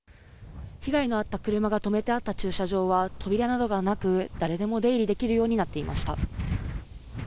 被害のあった車が止めてあった駐車場は、扉などがなく、誰でも出入りできるようになっていました。